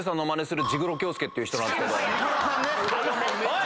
おい！